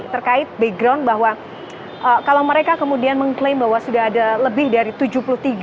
terkait background bahwa kalau mereka kemudian mengklaim bahwa sudah ada lebih dari tujuh puluh tiga ribu kesalahan input data dalam sitwa